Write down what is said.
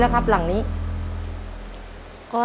เร็วเร็วเร็ว